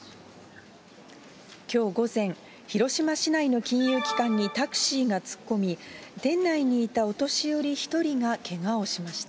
きょう午前、広島市内の金融機関にタクシーが突っ込み、店内にいたお年寄り１人がけがをしました。